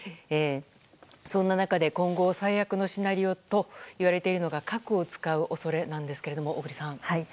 そんな中で今後最悪のシナリオといわれているのが核を使う恐れなんですが小栗さん。